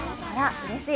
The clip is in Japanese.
うれしい。